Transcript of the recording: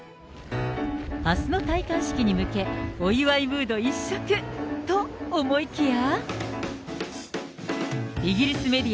あすの戴冠式に向けお祝いムード一色と、思いきや。